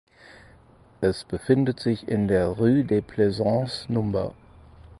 Es befindet sich in der "Rue de Plaisance" Nr.